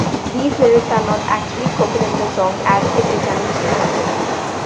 These lyrics are not actually spoken in the song, as it is an instrumental.